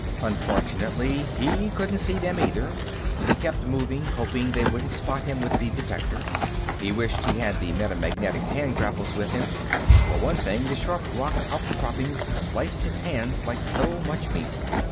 Unfortunately, he couldn't see them either. He kept moving, hoping they wouldn't spot him with the detector. He wished he had the metamagnetic hand grapples with him. For one thing, the sharp rock outcroppings sliced his hands like so much meat.